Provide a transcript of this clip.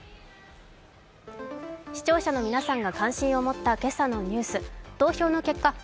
視聴者の皆さんが関心を持った今朝のニュース、投票の結果